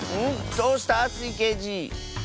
どうした⁉スイけいじ。